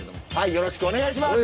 よろしくお願いします。